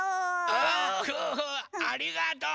おありがとう！